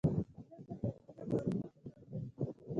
مځکه زرګونه کلونه عمر لري.